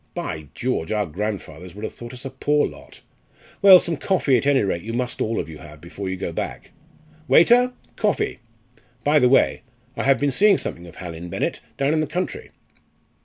By George! our grandfathers would have thought us a poor lot! Well, some coffee at any rate you must all of you have before you go back. Waiter! coffee. By the way, I have been seeing something of Hallin, Bennett, down in the country."